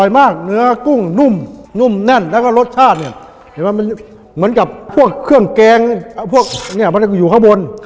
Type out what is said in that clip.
อร่อยมากเนื้อกุ้งนุ่มนุ่มแน่นและก็รสชาติเหมือนกับเครื่องแกงอยู่ข้างบน